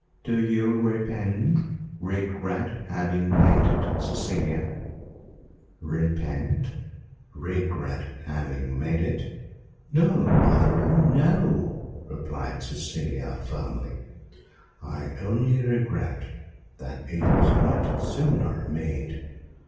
"Do you repent regret having made it, Cecilia?" "Repent regret having made it. No, mother, no!" replied Cecilia firmly. "I only regret that it was not sooner made.